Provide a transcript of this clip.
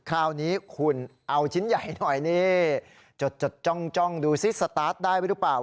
คราวนี้คุณเอาชิ้นใหญ่หน่อยนี่จดจ้องดูซิสตาร์ทได้หรือเปล่า